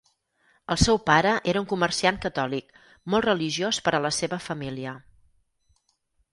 El seu pare era un comerciant catòlic, molt religiós per a la seva família.